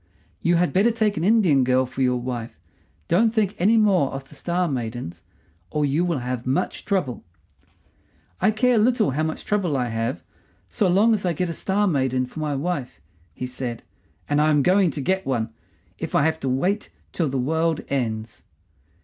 "You had better take an Indian girl for your wife. Don't think any more of the Star maidens, or you will have much trouble." "I care little how much trouble I have, so long as I get a Star maiden for my wife," he said; "and I am going to get one, if I have to wait till the world ends."